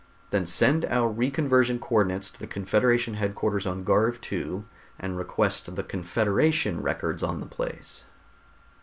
"Then send our reconversion co ordinates to the Confederation headquarters on Garv II and request the Confederation records on the place."